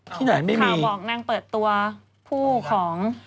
ที่ไหนไม่มีข่าวบอกนางเปิดตัวผู้ของ